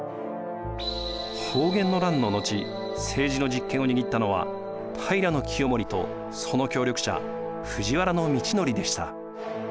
保元の乱の後政治の実権を握ったのは平清盛とその協力者藤原通憲でした。